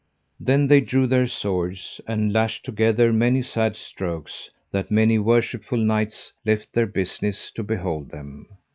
Then they drew their swords and lashed together many sad strokes, that many worshipful knights left their business to behold them.